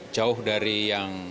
jauh dari yang